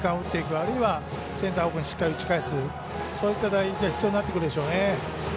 あるいはセンター方向にしっかり打ち返すそういった打撃が必要になってくるでしょうね。